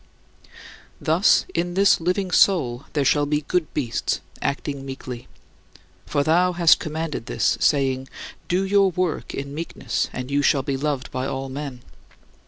" Thus, in this "living soul" there shall be good beasts, acting meekly. For thou hast commanded this, saying: "Do your work in meekness and you shall be loved by all men."